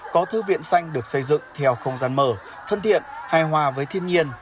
có thư viện xanh được xây dựng theo không gian mở thân thiện hài hòa với thiên nhiên